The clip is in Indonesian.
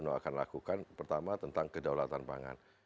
apa yang akan dilakukan pertama tentang kedolatan pangan